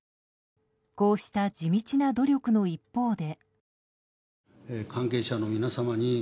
こうした地道な努力の一方で。